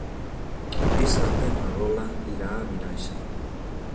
Dissabte na Lola irà a Vinaixa.